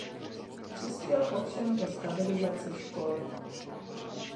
Přispěl ovšem ke stabilizaci školy.